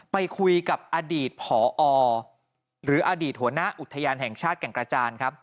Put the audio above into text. ไปคุยกับอดีตผอหรืออดีตหัวหน้าอุทยานแห่งชาติแก่งกระจานครับ